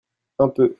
un peu.